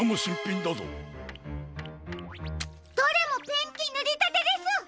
どれもペンキぬりたてです。